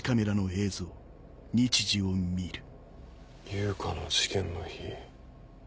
悠香の事件の日。